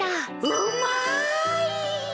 うまい！